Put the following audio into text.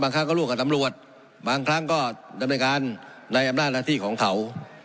ครั้งก็ร่วมกับตำรวจบางครั้งก็ดำเนินการในอำนาจหน้าที่ของเขา